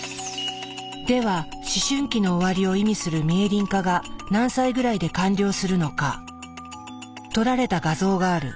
では思春期の終わりを意味するミエリン化が何歳ぐらいで完了するのか撮られた画像がある。